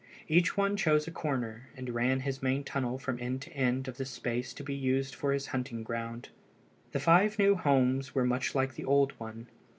Each one chose a corner, and ran his main tunnel from end to end of the space to be used for his hunting ground. The five new homes were much like the old one.